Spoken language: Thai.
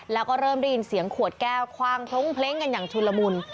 แล้วก็เริ่มได้ยินเสียงขวดแก้วคว่างพล้งเพล้งกันอย่างชุนละมุน